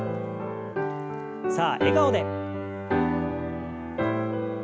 さあ笑顔で。